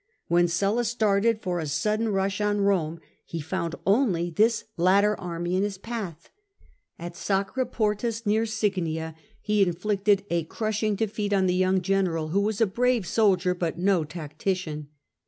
When Sulla started for a sudden rush on Eome, he found only this latter army in his path. At Sacriportus, near Signia, he inflicted a crushing defeat on the young general, who was a brave soldier but no tac tician.